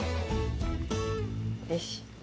よし。